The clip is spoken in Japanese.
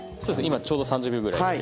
今ちょうど３０秒ぐらいです。